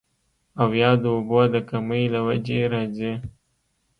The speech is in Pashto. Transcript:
او يا د اوبو د کمۍ له وجې راځي